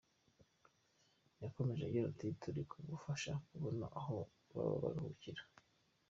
Yakomeje agira ati "Turi kubafasha kubona aho baba baruhukira.